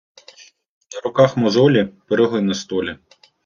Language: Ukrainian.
На руках мозолі — пироги на столі.